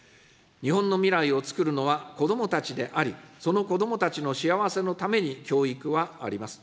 日本の未来をつくるのは子どもたちであり、その子どもたちの幸せのために教育はあります。